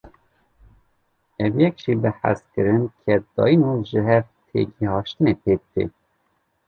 Ev yek jî bi hezkirin, keddayîn û jihevtêgihaştinê pêk tê.